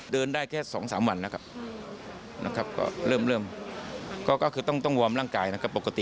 เดินได้แค่๒๓วันนะครับก็เริ่มเริ่มก็คือต้องวอร์มร่างกายนะครับปกติ